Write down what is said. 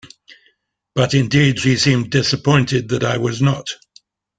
But indeed she seemed disappointed that I was not.